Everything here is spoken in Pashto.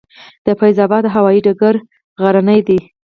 د فیض اباد هوايي ډګر غرنی دی